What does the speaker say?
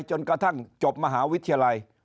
จนกระทั่งจบมหาวิทยาลัย